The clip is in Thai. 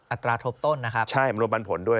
ตราทบต้นนะครับใช่มันรวมปันผลด้วย